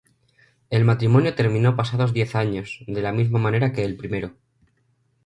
El matrimonio terminó pasados diez años de la misma manera que el primero.